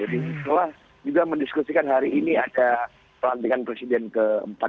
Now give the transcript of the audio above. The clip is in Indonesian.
di sekolah juga mendiskusikan hari ini ada perhentian presiden ke empat puluh enam